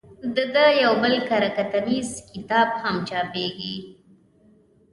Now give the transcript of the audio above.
د ده یو بل کره کتنیز کتاب هم چاپېږي.